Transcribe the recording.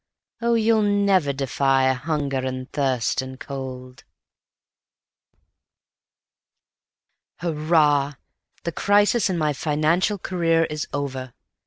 Oh, you'll never defy Hunger and Thirst and Cold." Hurrah! The crisis in my financial career is over.